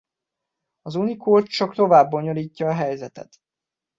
A Unicode csak tovább bonyolítja a helyzetet.